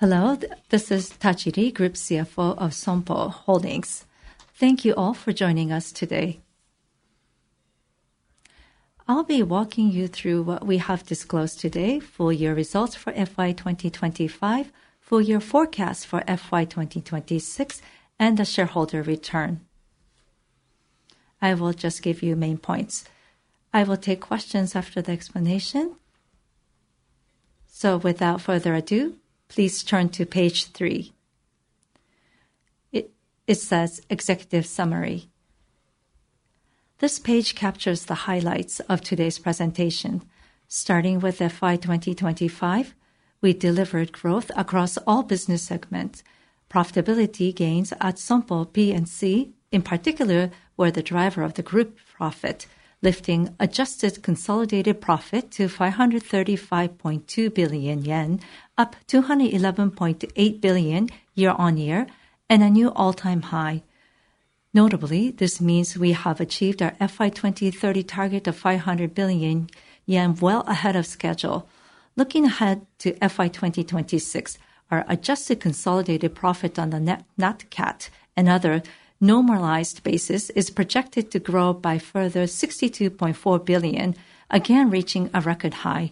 Hello, this is Tajiri, Group CFO of Sompo Holdings. Thank you all for joining us today. I'll be walking you through what we have disclosed today, full year results for FY 2025, full year forecast for FY 2026, and the shareholder return. I will just give you main points. I will take questions after the explanation. Without further ado, please turn to page three. It says Executive Summary. This page captures the highlights of today's presentation. Starting with FY 2025, we delivered growth across all business segments. Profitability gains at Sompo P&C, in particular, were the driver of the group profit, lifting adjusted consolidated profit to 535.2 billion yen, up 211.8 billion year-on-year, and a new all-time high. Notably, this means we have achieved our FY 2030 target of 500 billion yen well ahead of schedule. Looking ahead to FY 2026, our adjusted consolidated profit on the net Nat Cat and other normalized basis is projected to grow by a further 62.4 billion, again, reaching a record high.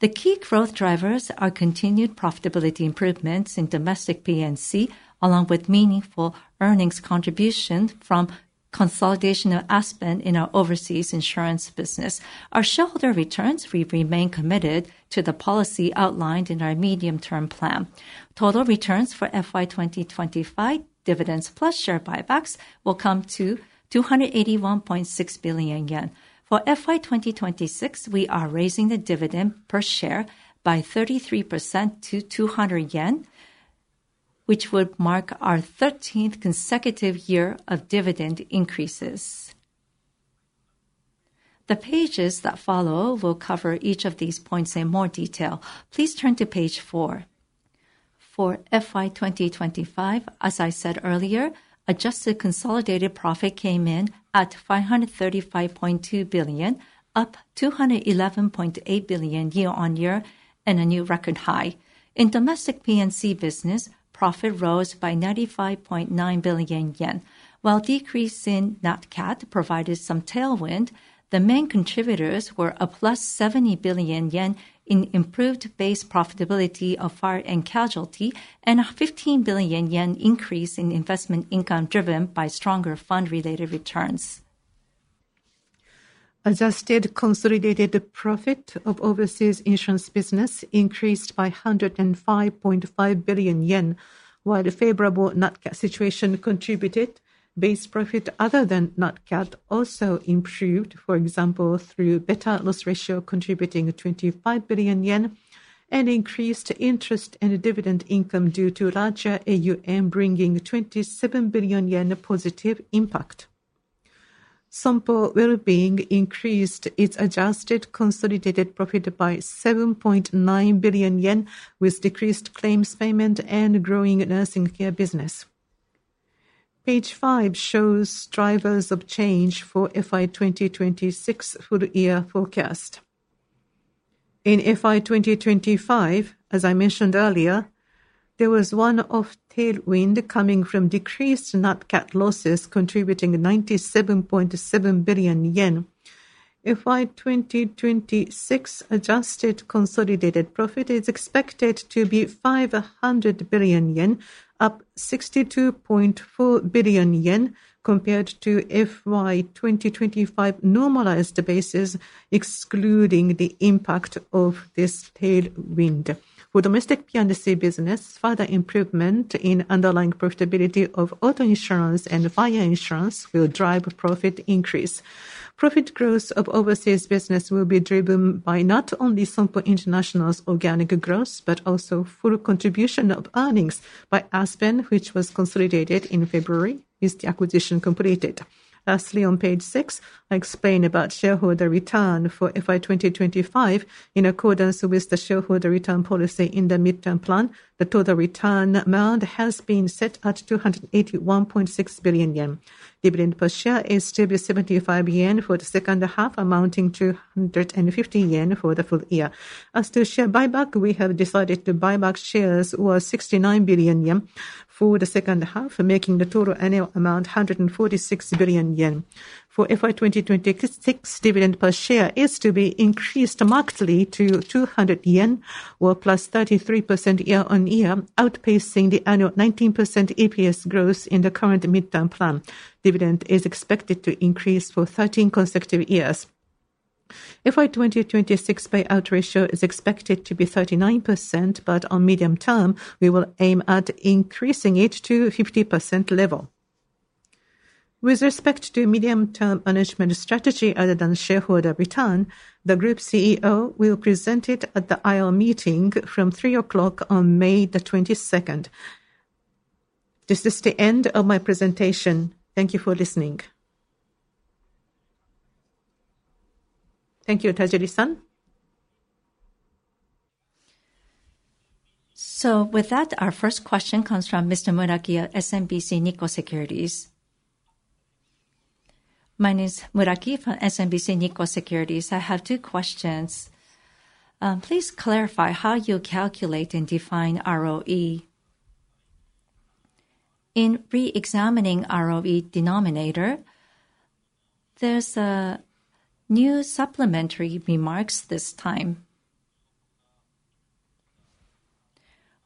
The key growth drivers are continued profitability improvements in domestic P&C, along with meaningful earnings contributions from consolidation of Aspen in our overseas insurance business. Our shareholder returns, we remain committed to the policy outlined in our medium-term plan. Total returns for FY 2025, dividends plus share buybacks, will come to 281.6 billion yen. For FY 2026, we are raising the dividend per share by 33% to 200 yen, which would mark our 13th consecutive year of dividend increases. The pages that follow will cover each of these points in more detail. Please turn to page four. For FY 2025, as I said earlier, adjusted consolidated profit came in at 535.2 billion, up 211.8 billion year-on-year and a new record high. In domestic P&C business, profit rose by 95.9 billion yen. While decrease in Nat Cat provided some tailwind, the main contributors were a plus 70 billion yen in improved base profitability of fire and casualty, and a 15 billion yen increase in investment income, driven by stronger fund-related returns. Adjusted consolidated profit of overseas insurance business increased by 105.5 billion yen. While the favorable Nat CAT situation contributed, base profit other than Nat CAT also improved, for example, through better loss ratio contributing 25 billion yen and increased interest in dividend income due to larger AUM, bringing 27 billion yen positive impact. Sompo Wellbeing increased its adjusted consolidated profit by 7.9 billion yen, with decreased claims payment and growing nursing care business. Page five shows drivers of change for FY 2026 full-year forecast. In FY 2025, as I mentioned earlier, there was one-off tailwind coming from decreased Nat CAT losses, contributing 97.7 billion yen. FY 2026 adjusted consolidated profit is expected to be 500 billion yen, up 62.4 billion yen compared to FY 2025 normalized basis, excluding the impact of this tailwind. For domestic P&C business, further improvement in underlying profitability of auto insurance and fire insurance will drive profit increase. Profit growth of overseas business will be driven by not only Sompo International's organic growth, but also full contribution of earnings by Aspen, which was consolidated in February with the acquisition completed. Lastly, on page six, I explain about shareholder return for FY 2025. In accordance with the shareholder return policy in the midterm plan, the total return amount has been set at 281.6 billion yen. Dividend per share is to be 75 yen for the second half, amounting to 150 yen for the full year. As to share buyback, we have decided to buy back shares worth 69 billion yen for the second half, making the total annual amount 146 billion yen. For FY 2026, dividend per share is to be increased markedly to 200 yen, or plus 33% year on year, outpacing the annual 19% EPS growth in the current midterm plan. Dividend is expected to increase for 13 consecutive years. FY 2026 payout ratio is expected to be 39%, but on medium-term, we will aim at increasing it to 50% level. With respect to medium-term management strategy other than shareholder return, the Group CEO will present it at the IR meeting from 3:00 P.M. on May 22nd. This is the end of my presentation. Thank you for listening. Thank you, Tajiri-san. Our first question comes from Mr. Muraki at SMBC Nikko Securities. My name is Muraki from SMBC Nikko Securities. I have two questions. Please clarify how you calculate and define ROE. In re-examining ROE denominator, there's new supplementary remarks this time.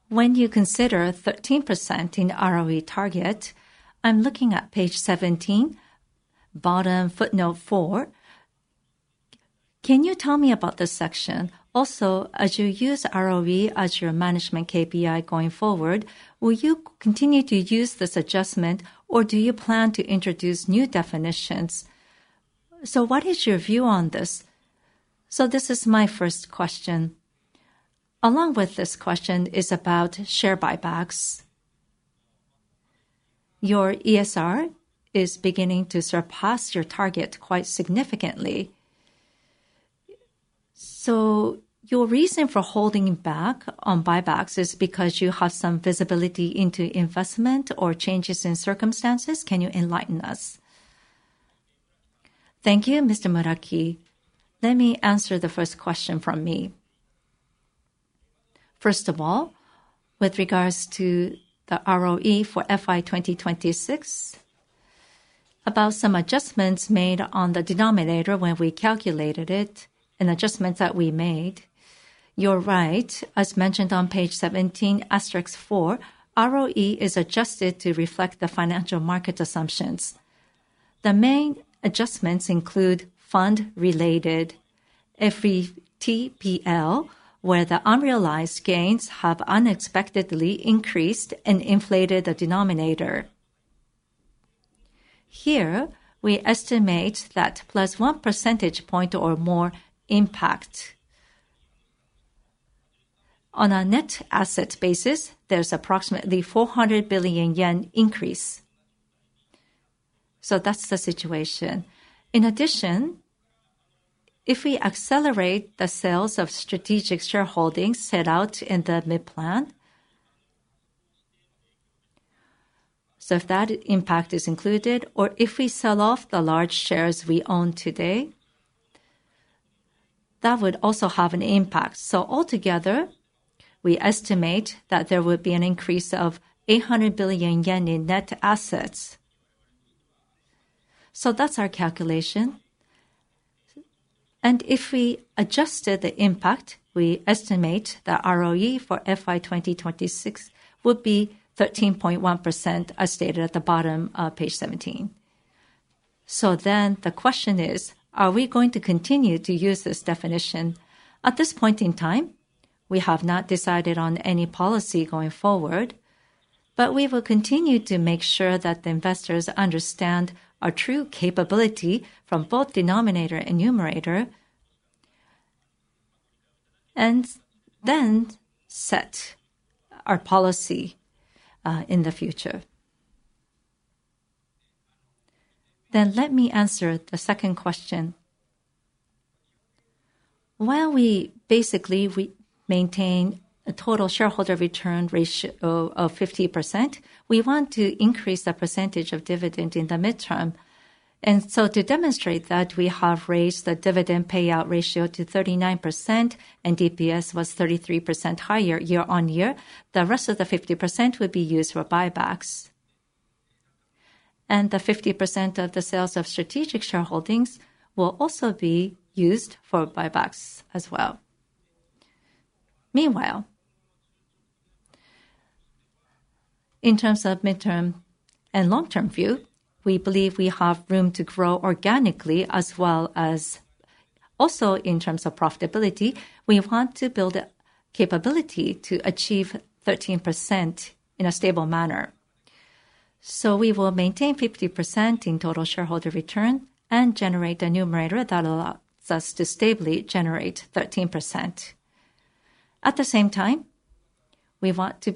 When you consider 13% in ROE target, I'm looking at page 17, bottom footnote four. Can you tell me about this section? Also, as you use ROE as your management KPI going forward, will you continue to use this adjustment, or do you plan to introduce new definitions? What is your view on this? This is my first question. Along with this question is about share buybacks. Your ESR is beginning to surpass your target quite significantly. Your reason for holding back on buybacks is because you have some visibility into investment or changes in circumstances? Can you enlighten us? Thank you, Mr. Muraki. Let me answer the first question from me. First of all, with regards to the ROE for FY 2026, about some adjustments made on the denominator when we calculated it, an adjustment that we made. You're right, as mentioned on page 17 asterisk four, ROE is adjusted to reflect the financial market assumptions. The main adjustments include fund related FVTPL, where the unrealized gains have unexpectedly increased and inflated the denominator. Here, we estimate that +1 percentage point or more impact. On a net asset basis, there's approximately 400 billion yen increase. That's the situation. In addition, if we accelerate the sales of strategic shareholdings set out in the midplan, so if that impact is included or if we sell off the large shares we own today, that would also have an impact. Altogether, we estimate that there would be an increase of 800 billion yen in net assets. That's our calculation. If we adjusted the impact, we estimate the ROE for FY 2026 would be 13.1% as stated at the bottom of page 17. The question is, are we going to continue to use this definition? At this point in time, we have not decided on any policy going forward, but we will continue to make sure that the investors understand our true capability from both denominator and numerator, and then set our policy in the future. Let me answer the second question. While we basically maintain a total shareholder return ratio of 50%, we want to increase the percentage of dividend in the midterm. To demonstrate that, we have raised the dividend payout ratio to 39% and DPS was 33% higher year-on-year. The rest of the 50% will be used for buybacks. The 50% of the sales of strategic shareholdings will also be used for buybacks as well. Meanwhile, in terms of midterm and long-term view, we believe we have room to grow organically as well as also in terms of profitability, we want to build capability to achieve 13% in a stable manner. We will maintain 50% in total shareholder return and generate the numerator that allows us to stably generate 13%. At the same time, we want to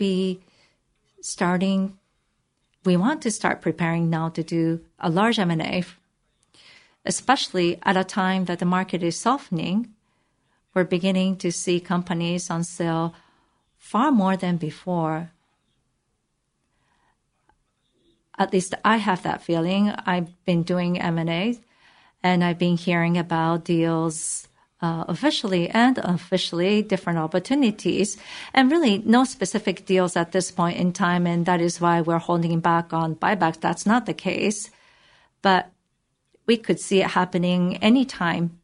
start preparing now to do a large M&A, especially at a time that the market is softening. We're beginning to see companies on sale far more than before. At least I have that feeling I've been doing M&As. I've been hearing about deals officially and officially different opportunities. Really no specific deals at this point in time. That is why we're holding back on buyback. That's not the case, but we could see it happening any time.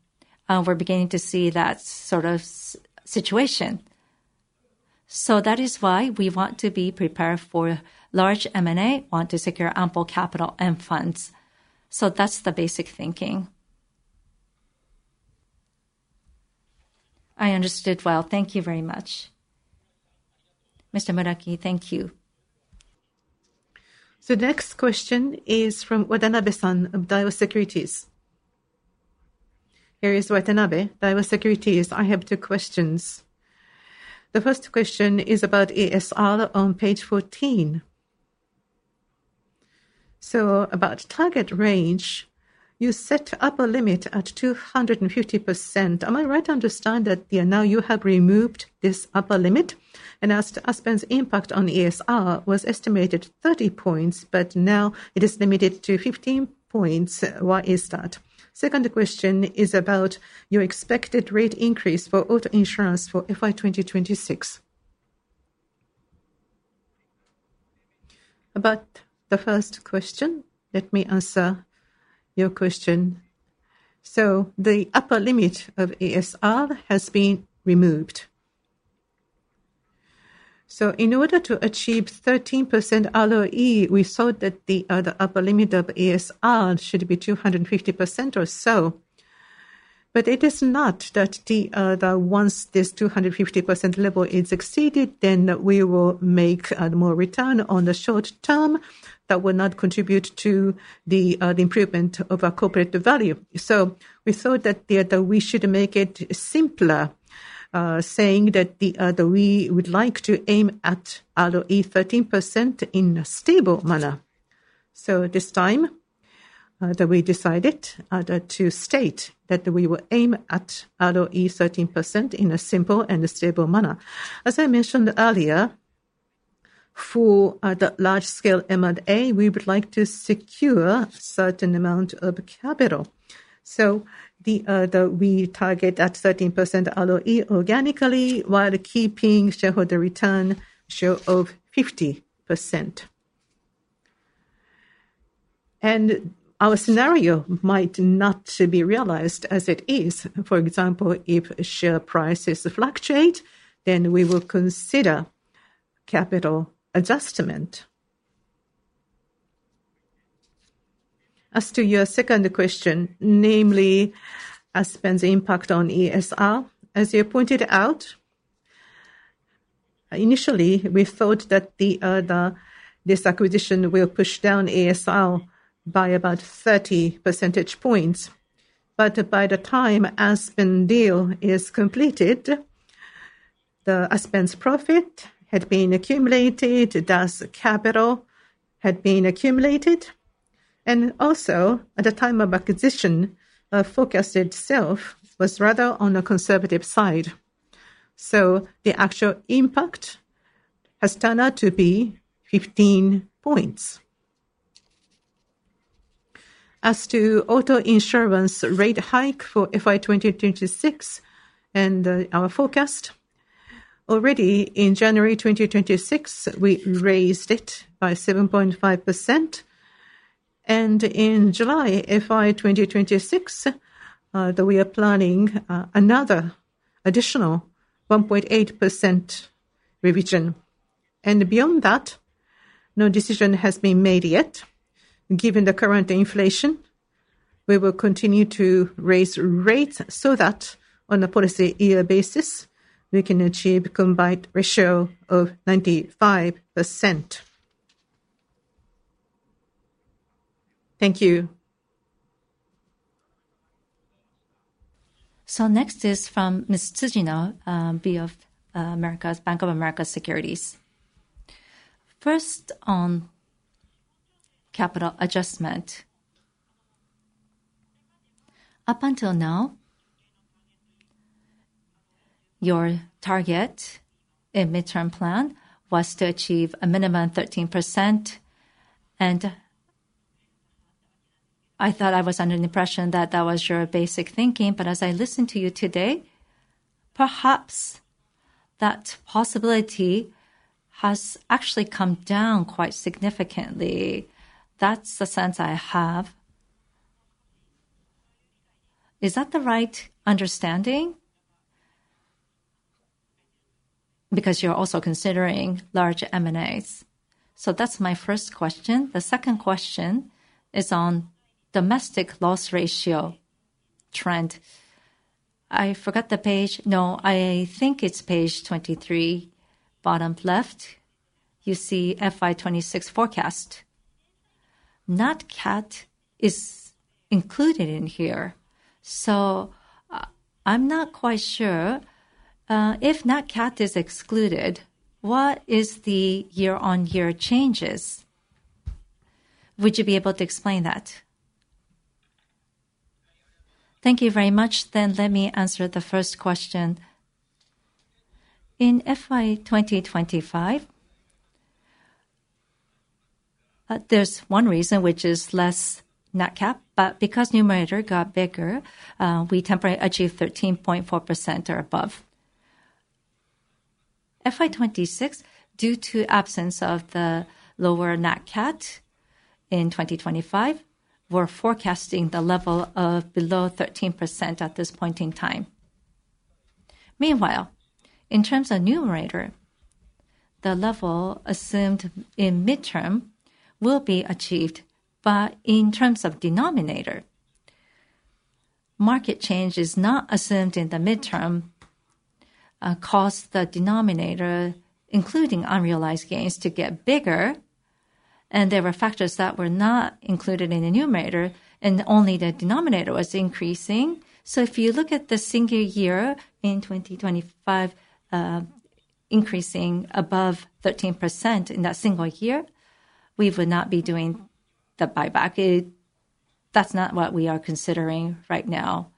We're beginning to see that sort of situation. That is why we want to be prepared for large M&A, want to secure ample capital and funds. That's the basic thinking. I understood well. Thank you very much. Mr. Muraki, thank you. Next question is from Watanabe-san of Daiwa Securities. Here is Watanabe, Daiwa Securities. I have two questions. The first question is about ESR on page 14. About target range, you set upper limit at 250%. Am I right to understand that now you have removed this upper limit? As to Aspen's impact on ESR was estimated 30 points, but now it is limited to 15 points. Why is that? Second question is about your expected rate increase for auto insurance for FY 2026. About the first question, let me answer your question. So, the upper limit of ESR has been removed. In order to achieve 13% ROE, we thought that the upper limit of ESR should be 250% or so. It is not that once this 250% level is exceeded, then we will make more return on the short term that will not contribute to the improvement of our corporate value. We thought that we should make it simpler, saying that we would like to aim at ROE 13% in a stable manner. This time, we decided to state that we will aim at ROE 13% in a simple and stable manner. As I mentioned earlier, for the large scale M&A, we would like to secure certain amount of capital. We target that 13% ROE organically while keeping shareholder return share of 50%. Our scenario might not be realized as it is. For example, if share prices fluctuate, then we will consider capital adjustment. As to your second question, namely Aspen's impact on ESR. As you pointed out, initially, we thought that this acquisition will push down ESR by about 30 percentage points. By the time Aspen deal is completed, Aspen's profit had been accumulated, thus capital had been accumulated. Also at the time of acquisition, forecast itself was rather on a conservative side. The actual impact has turned out to be 15 points. As to auto insurance rate hike for FY 2026 and our forecast, already in January 2026, we raised it by 7.5%. In July FY 2026, we are planning another additional 1.8% revision. Beyond that, no decision has been made yet. Given the current inflation, we will continue to raise rates so that on a policy year basis, we can achieve combined ratio of 95%. Thank you. Next is from Ms. Tsujino, via BofA Securities. First on capital adjustment. Up until now, your target in midterm plan was to achieve a minimum 13%, and I thought I was under the impression that that was your basic thinking, but as I listen to you today, perhaps that possibility has actually come down quite significantly. That's the sense I have. Is that the right understanding? Because you're also considering large M&As. That's my first question. The second question is on domestic loss ratio trend. I forgot the page. No, I think it's page 23, bottom left. You see FY 2026 forecast. Nat Cat is included in here. I'm not quite sure. If Nat Cat is excluded, what is the year-on-year changes? Would you be able to explain that? Thank you very much. Let me answer the first question. In FY 2025, there's one reason which is less Nat Cat, but because numerator got bigger, we temporarily achieved 13.4% or above. FY 2026, due to absence of the lower Nat Cat in 2025, we're forecasting the level of below 13% at this point in time. Meanwhile, in terms of numerator, the level assumed in midterm will be achieved. In terms of denominator, market change is not assumed in the midterm, caused the denominator, including unrealized gains, to get bigger, and there were factors that were not included in the numerator, and only the denominator was increasing. If you look at the single year in 2025 increasing above 13% in that single year, we would not be doing the buyback. That's not what we are considering right now.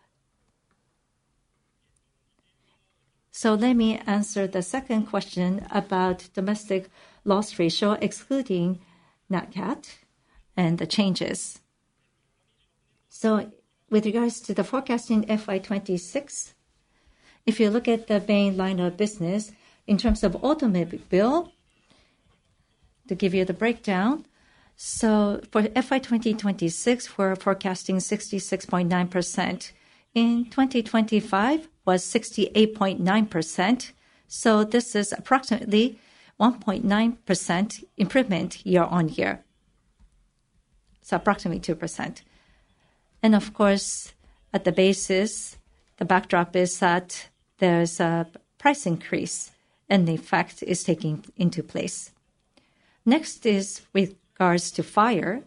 Let me answer the second question about domestic loss ratio, excluding Nat Cat and the changes. With regards to the forecasting FY 2026, if you look at the main line of business in terms of automobile, to give you the breakdown, for FY 2026, we're forecasting 66.9%. In 2025 was 68.9%, this is approximately 1.9% improvement year-on-year. Approximately 2%. Of course, at the basis, the backdrop is that there's a price increase, and the effect is taking into place. Next is with regards to fire.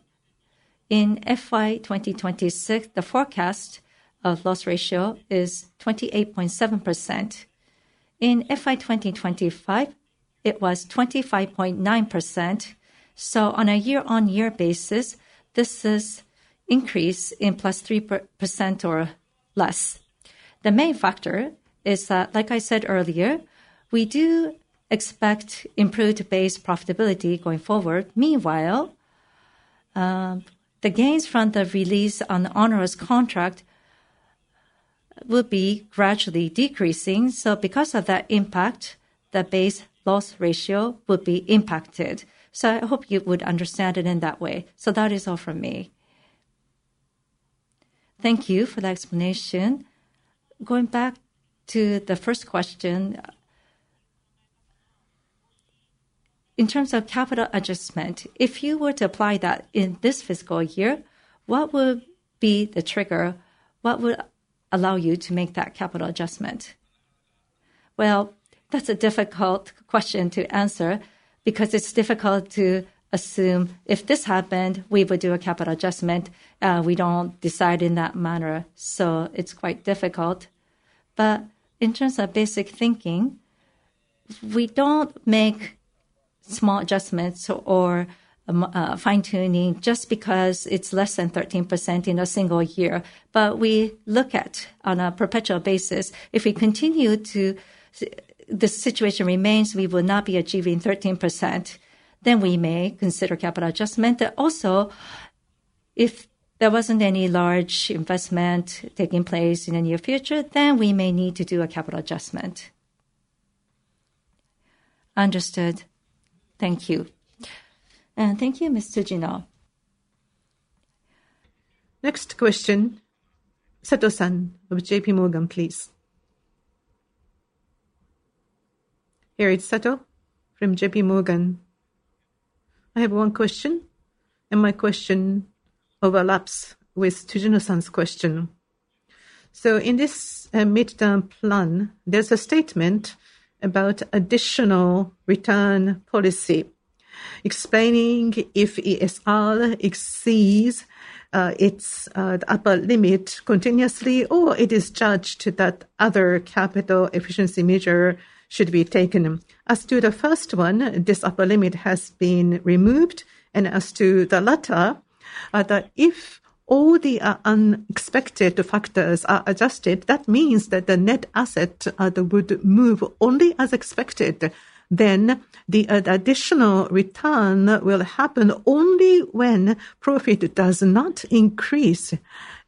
In FY 2026, the forecast of loss ratio is 28.7%. In FY 2025, it was 25.9%, on a year-on-year basis, this is increase in plus 3% or less. The main factor is that, like I said earlier, we do expect improved base profitability going forward. Meanwhile, the gains from the release on the onerous contract will be gradually decreasing. Because of that impact, the base loss ratio will be impacted. I hope you would understand it in that way. That is all from me. Thank you for the explanation. Going back to the first question, in terms of capital adjustment, if you were to apply that in this fiscal year, what would be the trigger? What would allow you to make that capital adjustment? Well, that's a difficult question to answer because it's difficult to assume if this happened, we would do a capital adjustment. We don't decide in that manner, it's quite difficult. In terms of basic thinking, we don't make small adjustments or fine-tuning just because it's less than 13% in a single year. We look at on a perpetual basis, if the situation remains we will not be achieving 13%, then we may consider capital adjustment. If there wasn't any large investment taking place in the near future, then we may need to do a capital adjustment. Understood. Thank you. Thank you, Ms. Tsujino. Next question. Sato of J.P. Morgan, please. Harie Sato from J.P. Morgan. I have one question, and my question overlaps with Tsujino-san's question. In this midterm plan, there's a statement about additional return policy explaining if ESR exceeds its upper limit continuously, or it is judged that other capital efficiency measure should be taken. As to the first one, this upper limit has been removed, and as to the latter, that if all the unexpected factors are adjusted, that means that the net asset would move only as expected. The additional return will happen only when profit does not increase,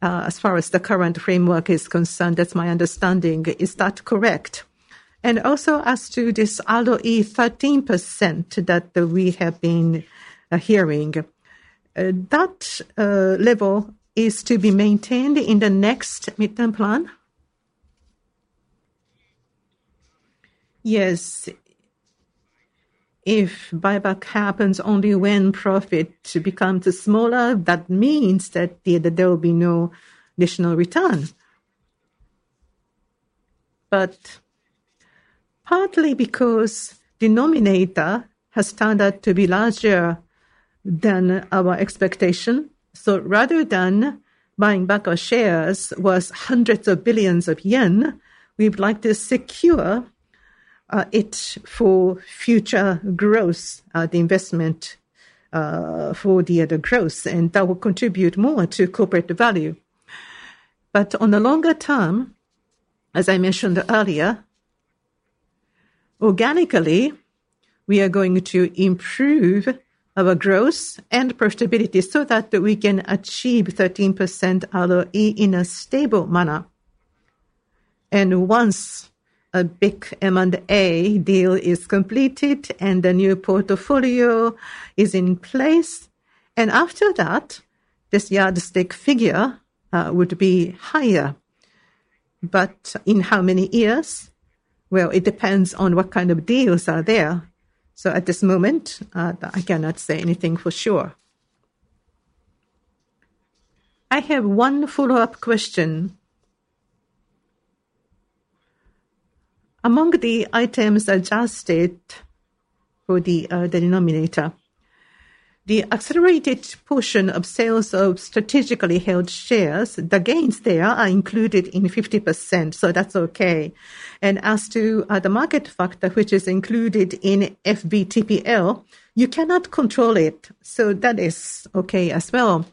as far as the current framework is concerned. That's my understanding. Is that correct? Also as to this ROE 13% that we have been hearing. That level is to be maintained in the next midterm plan? Yes. If buyback happens only when profit becomes smaller, that means that there will be no additional return. Partly because denominator has turned out to be larger than our expectation. Rather than buying back our shares was hundreds of billions of yen, we would like to secure it for future growth, the investment for the growth, and that will contribute more to corporate value. On the longer term, as I mentioned earlier, organically, we are going to improve our growth and profitability so that we can achieve 13% ROE in a stable manner. Once a big M&A deal is completed and the new portfolio is in place, and after that, this yardstick figure would be higher. In how many years? Well, it depends on what kind of deals are there. At this moment, I cannot say anything for sure. I have one follow-up question. Among the items adjusted for the denominator. The accelerated portion of sales of strategically held shares, the gains there are included in 50%, so that's okay. As to the market factor, which is included in FVTPL, you cannot control it, so that is okay as well.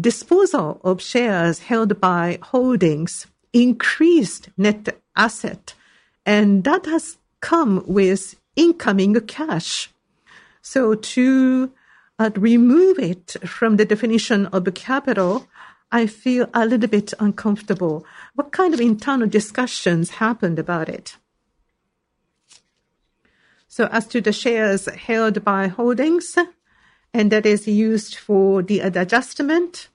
Disposal of shares held by Holdings increased net asset, and that has come with incoming cash. To remove it from the definition of the capital, I feel a little bit uncomfortable. What kind of internal discussions happened about it? As to the shares held by Holdings, and that is used for the adjustment,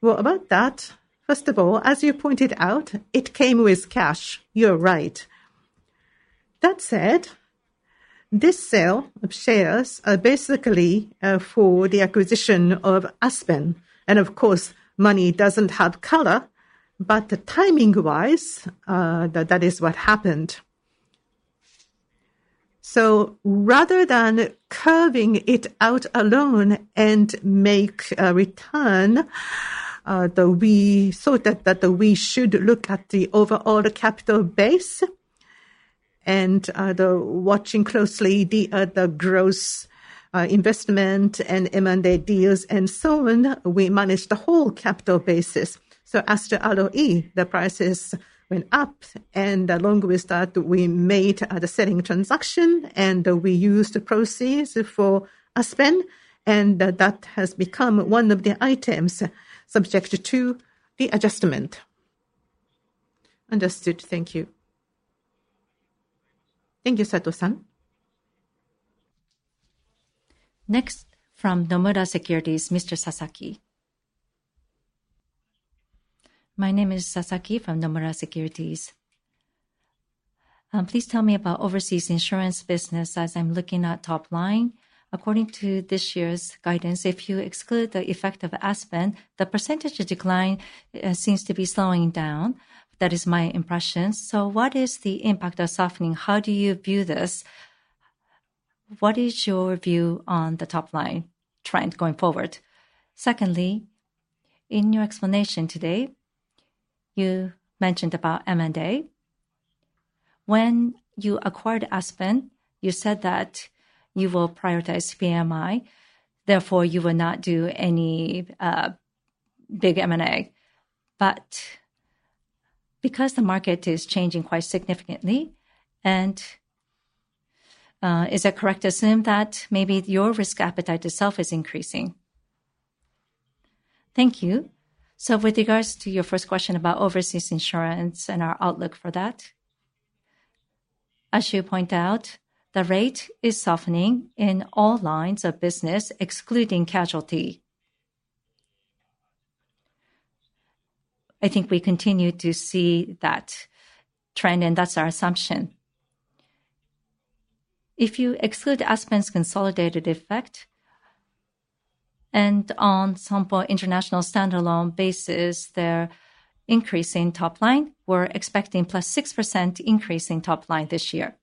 what about that? First of all, as you pointed out, it came with cash. You're right. That said, this sale of shares are basically for the acquisition of Aspen, and of course, money doesn't have color, but timing-wise, that is what happened. Rather than carving it out alone and make a return, we thought that we should look at the overall capital base and watching closely the gross investment in M&A deals and so on, we managed the whole capital basis. As to ROE, the prices went up, and along with that, we made the selling transaction, and we used the proceeds for Aspen, and that has become one of the items subject to the adjustment. Understood. Thank you. Thank you, Sato-san. Next from Nomura Securities, Mr. Sasaki. My name is Sasaki from Nomura Securities. Please tell me about overseas insurance business as I'm looking at top line. According to this year's guidance, if you exclude the effect of Aspen, the percentage decline seems to be slowing down. That is my impression. What is the impact of softening? How do you view this? What is your view on the top-line trend going forward? Secondly, in your explanation today, you mentioned about M&A. When you acquired Aspen, you said that you will prioritize PMI, therefore you will not do any big M&A. Because the market is changing quite significantly, and is it correct to assume that maybe your risk appetite itself is increasing? Thank you. With regards to your first question about overseas insurance and our outlook for that, as you point out, the rate is softening in all lines of business excluding casualty. I think we continue to see that trend, and that's our assumption. If you exclude Aspen's consolidated effect, and on Sompo International standalone basis, they're increasing top line. We're expecting +6% increase in top line this year.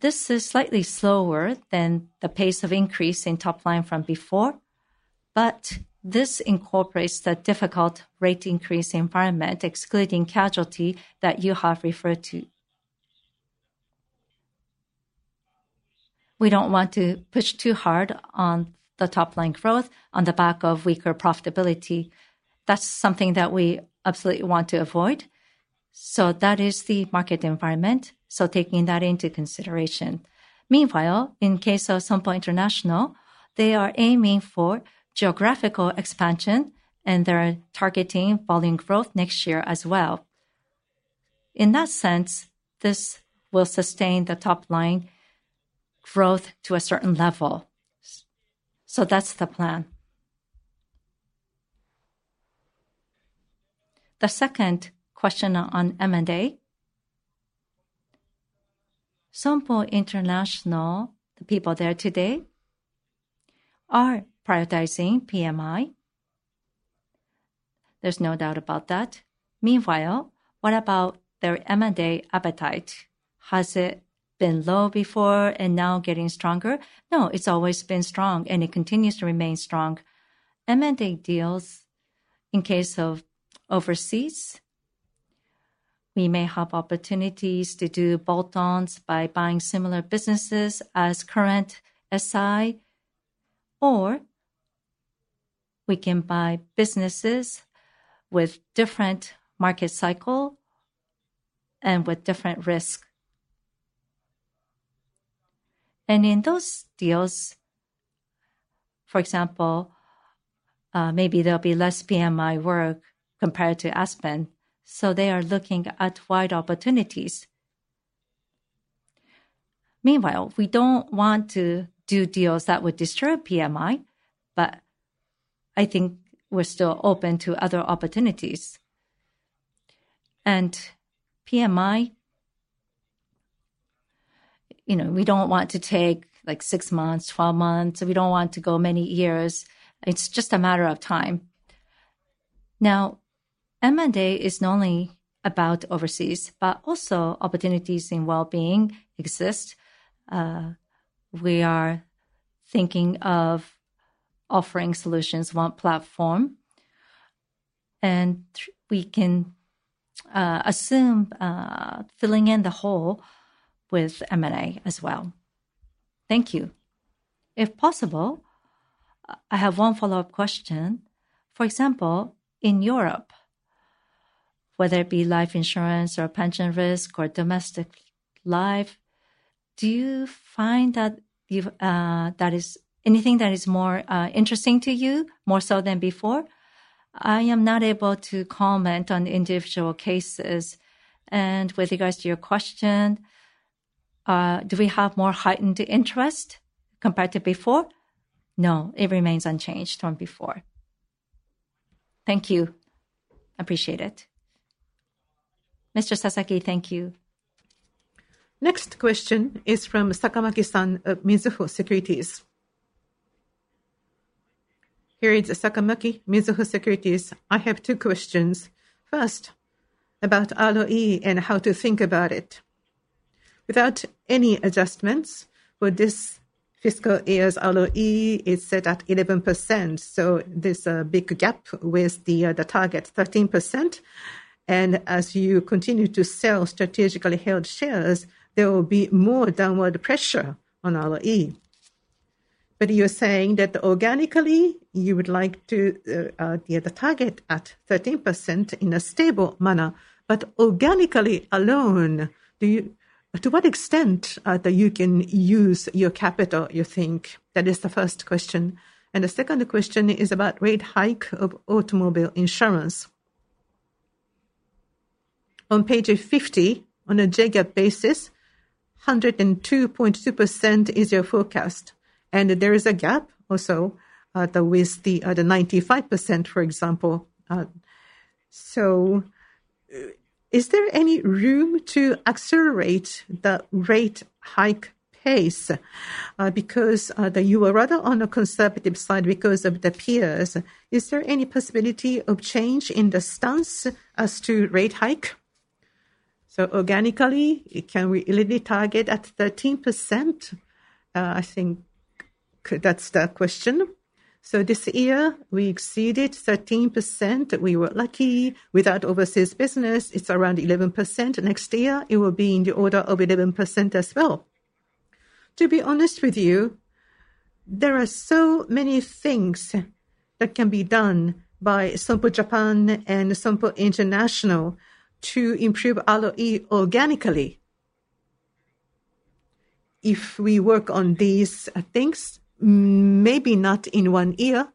This is slightly slower than the pace of increase in top line from before, but this incorporates the difficult rate increase environment, excluding casualty that you have referred to. We don't want to push too hard on the top-line growth on the back of weaker profitability. That's something that we absolutely want to avoid. That is the market environment, taking that into consideration. In case of Sompo International, they are aiming for geographical expansion, and they are targeting volume growth next year as well. In that sense, this will sustain the top-line growth to a certain level. That's the plan. The second question on M&A. Sompo International, the people there today are prioritizing PMI. There's no doubt about that. Meanwhile, what about their M&A appetite? Has it been low before and now getting stronger? No, it's always been strong, and it continues to remain strong. M&A deals, in case of overseas, we may have opportunities to do bolt-ons by buying similar businesses as current SI, or we can buy businesses with different market cycle and with different risk. In those deals, for example, maybe there'll be less PMI work compared to Aspen, so they are looking at wide opportunities. Meanwhile, we don't want to do deals that would disturb PMI, but I think we're still open to other opportunities. PMI, we don't want to take six months, 12 months. We don't want to go many years. It's just a matter of time. M&A is not only about overseas, but also opportunities in wellbeing exist. We are thinking of offering solutions, one platform, and we can assume filling in the hole with M&A as well. Thank you. If possible, I have one follow-up question. For example, in Europe, whether it be life insurance or pension risk or domestic life, do you find that there is anything that is more interesting to you, more so than before? I am not able to comment on individual cases. With regards to your question, do we have more heightened interest compared to before? No, it remains unchanged from before. Thank you. Appreciate it. Mr. Sasaki, thank you. Next question is from Sakamaki-san of Mizuho Securities. Here is Sakamaki, Mizuho Securities. I have two questions. First, about ROE and how to think about it. Without any adjustments for this fiscal year's ROE, it's set at 11%, there's a big gap with the target 13%. As you continue to sell strategically held shares, there will be more downward pressure on ROE. You're saying that organically, you would like to get the target at 13% in a stable manner. Organically alone, to what extent that you can use your capital, you think? That is the first question. The second question is about rate hike of automobile insurance. On page 50, on a JGAAP basis, 102.2% is your forecast, there is a GAAP also with the other 95%, for example. Is there any room to accelerate the rate hike pace? Because you are rather on a conservative side regarding peers. Is there any possibility of change in the stance as to rate hike? Organically, can we really target at 13%? I think that's the question. This year we exceeded 13%, we were lucky. Without overseas business, it's around 11%. Next year it will be in the order of 11% as well. To be honest with you, there are so many things that can be done by Sompo Japan and Sompo International to improve ROE organically. If we work on these things, maybe not in one year,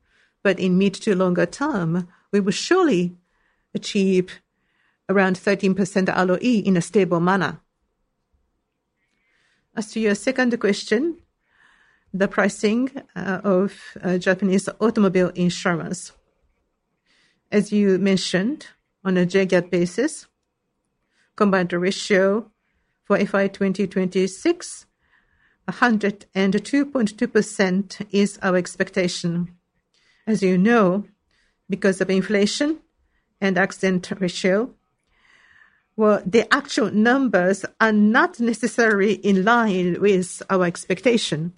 but in mid to longer term, we will surely achieve around 13% ROE in a stable manner. As to your second question, the pricing of Japanese automobile insurance. As you mentioned, on a JGAAP basis, combined ratio for FY 2026, 102.2% is our expectation. As you know, because of inflation and accident ratio, the actual numbers are not necessarily in line with our expectation.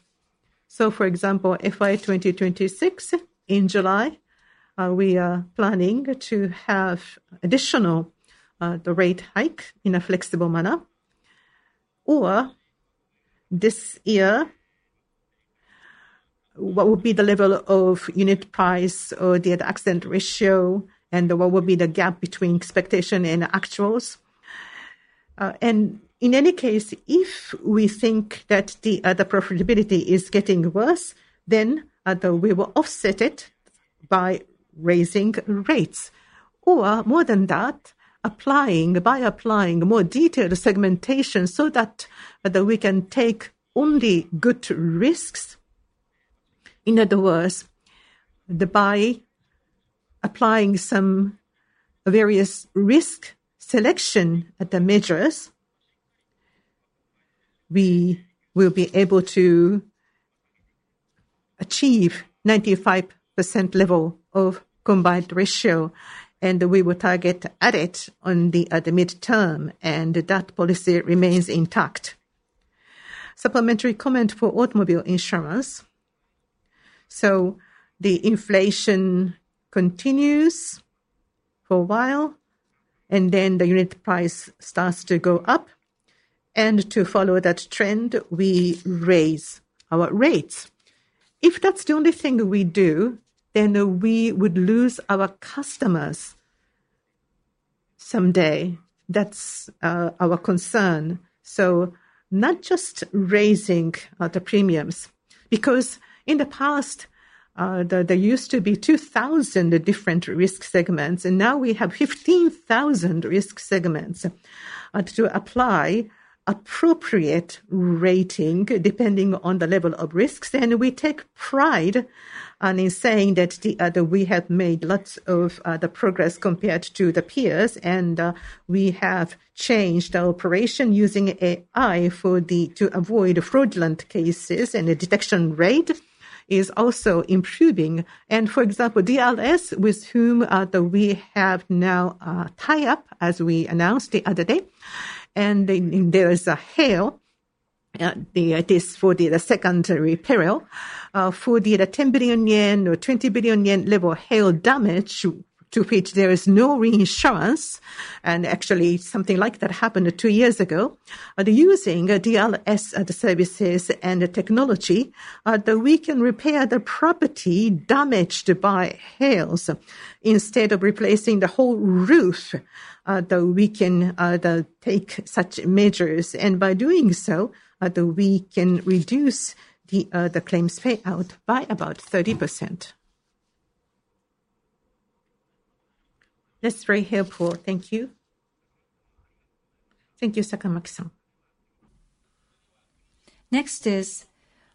For example, FY 2026, in July, we are planning to have additional rate hike in a flexible manner. This year, what would be the level of unit price or the accident ratio, and what would be the gap between expectation and actuals? In any case, if we think that the profitability is getting worse, we will offset it by raising rates. More than that, by applying more detailed segmentation so that we can take only good risks. In other words, by applying some various risk selection measures, we will be able to achieve 95% level of combined ratio, and we will target at it on the midterm, and that policy remains intact. Supplementary comment for automobile insurance. The inflation continues for a while, and then the unit price starts to go up. To follow that trend, we raise our rates. If that's the only thing we do, then we would lose our customers someday. That's our concern. Not just raising the premiums, because in the past there used to be 2,000 different risk segments, and now we have 15,000 risk segments to apply appropriate rating depending on the level of risks. We take pride in saying that we have made lots of progress compared to the peers, and we have changed our operation using AI to avoid fraudulent cases, and the detection rate is also improving. For example, DRS, with whom we have now tied up as we announced the other day, and there is a hail. This for the secondary peril. For the 10 billion yen or 20 billion yen level hail damage to which there is no reinsurance, and actually something like that happened two years ago, using DRS services and technology, we can repair the property damaged by hails. Instead of replacing the whole roof, we can take such measures, and by doing so, we can reduce the claims payout by about 30%. That's very helpful. Thank you. Thank you, Sakamaki-san. Next is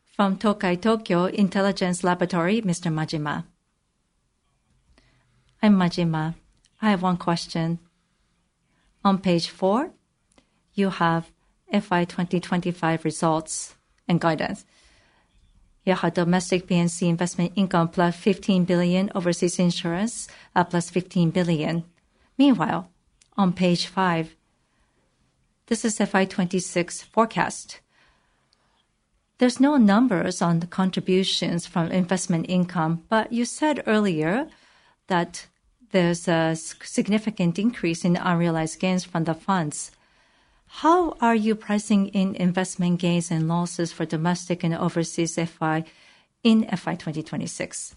from Tokai Tokyo Intelligence Laboratory, Mr. Majima. I'm Majima. I have one question. On page four, you have FY 2025 results and guidance. You have domestic P&C investment income plus 15 billion, overseas insurance plus 15 billion. Meanwhile, on page five, this is FY 2026 forecast. There's no numbers on the contributions from investment income, you said earlier that there's a significant increase in unrealized gains from the funds. How are you pricing in investment gains and losses for domestic and overseas FY in FY 2026?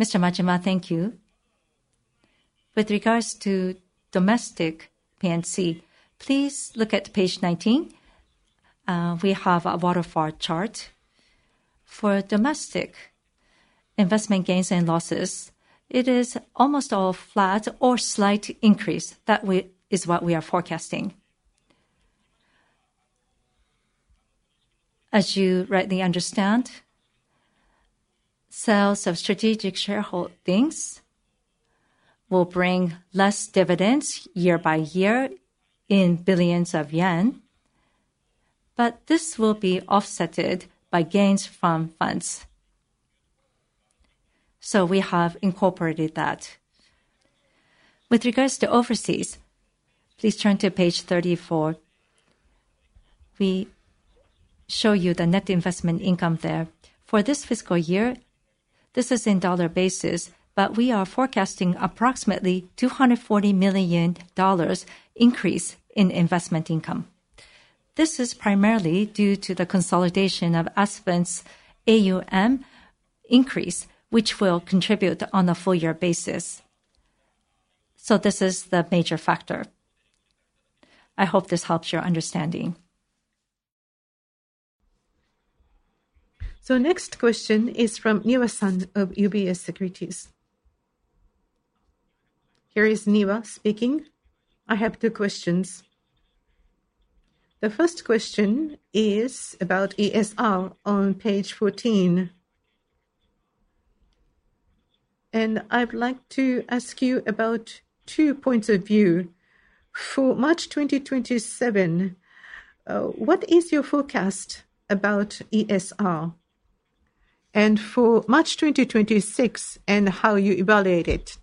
Mr. Majima, thank you. With regards to domestic P&C, please look at page 19. We have a waterfall chart. For domestic investment gains and losses, it is almost all flat or slight increase. That is what we are forecasting. As you rightly understand, sales of strategic shareholdings will bring less dividends year by year in billions of yen, this will be offsetted by gains from funds. We have incorporated that. With regards to overseas, please turn to page 34. We show you the net investment income there. For this fiscal year, this is in dollar basis, but we are forecasting approximately $240 million increase in investment income. This is primarily due to the consolidation of assets AUM increase, which will contribute on a full year basis. This is the major factor. I hope this helps your understanding. Next question is from Niwa-san of UBS Securities. Here is Niwa speaking. I have two questions. The first question is about ESR on page 14. I would like to ask you about two points of view. For March 2027, what is your forecast about ESR? For March 2026 and how you evaluate it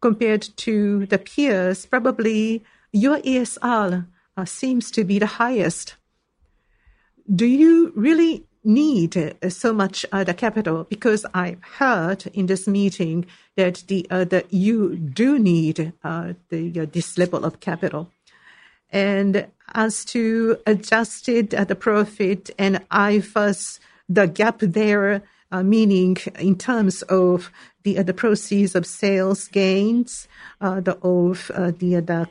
compared to the peers, probably your ESR seems to be the highest. Do you really need so much other capital? I heard in this meeting that you do need this level of capital. As to adjusted the profit and IFRS, the GAAP there, meaning in terms of the proceeds of sales gains of the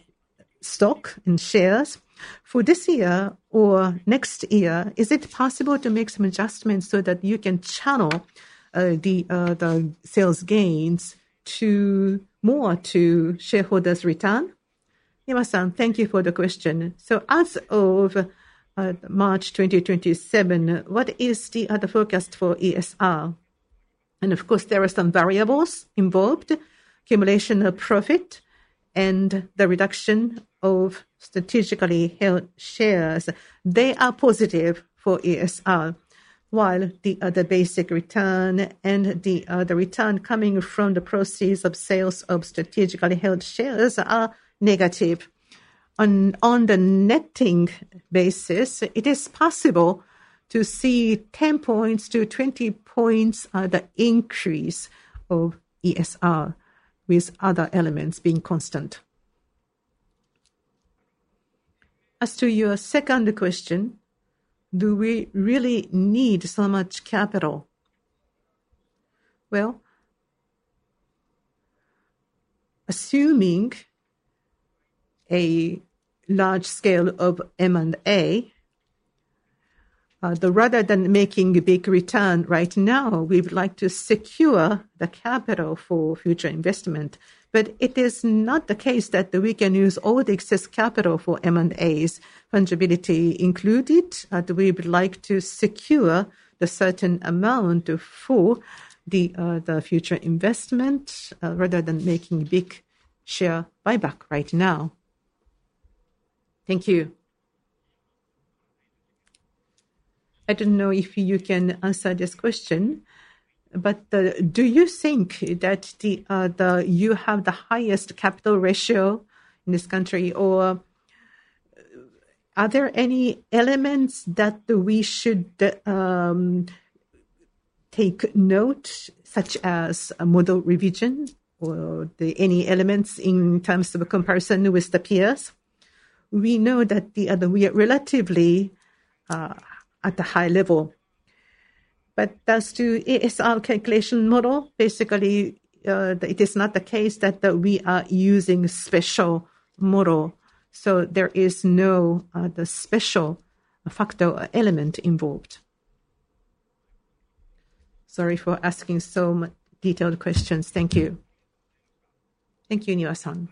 stock and shares. For this year or next year, is it possible to make some adjustments so that you can channel the sales gains more to shareholders' return? Niwa-san, thank you for the question. As of March 2027, what is the other forecast for ESR? Of course, there are some variables involved, accumulation of profit, and the reduction of strategically held shares. They are positive for ESR, while the other basic return and the other return coming from the proceeds of sales of strategically held shares are negative. On the netting basis, it is possible to see 10 points to 20 points the increase of ESR with other elements being constant. As to your second question, do we really need so much capital? Well, assuming a large scale of M&A, rather than making a big return right now, we would like to secure the capital for future investment. It is not the case that we can use all the excess capital for M&As, fungibility included. We would like to secure the certain amount for the future investment rather than making big share buyback right now. Thank you. I don't know if you can answer this question, but do you think that you have the highest capital ratio in this country, or are there any elements that we should take note, such as a model revision or any elements in terms of a comparison with the peers? We know that we are relatively at a high level. As to ESR calculation model, basically, it is not the case that we are using special model. There is no special factor or element involved. Sorry for asking so much detailed questions. Thank you. Thank you, Niwa-san.